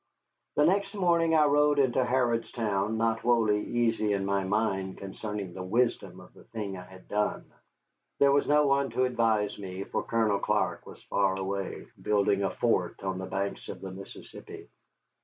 The next morning I rode into Harrodstown not wholly easy in my mind concerning the wisdom of the thing I had done. There was no one to advise me, for Colonel Clark was far away, building a fort on the banks of the Mississippi.